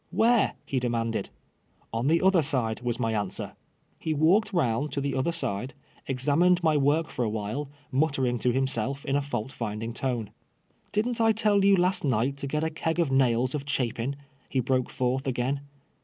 " Where ?" he demanded. " On the other side," was my answer. He walked round to the other side, examined my work fur a while, muttering to himself in a lault find ing tone. " Didn't I tell you last night to get a keg of nails of Chapin (" he broke forth again.